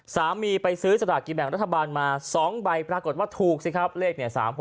สามีไปซื้อสลากกินแบ่งรัฐบาลมา๒ใบปรากฏว่าถูกสิครับเลข๓๖